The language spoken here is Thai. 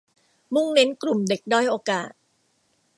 มุ่งเน้นกลุ่มเด็กด้อยโอกาส